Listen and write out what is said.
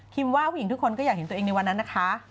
ว่าผู้หญิงทุกคนก็อยากเห็นตัวเองในวันนั้นนะคะ